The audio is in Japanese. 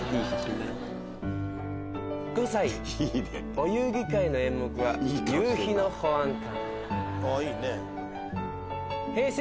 お遊戯会の演目は『夕日の保安官』。